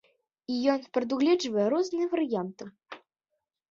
І ён прадугледжвае розныя варыянты.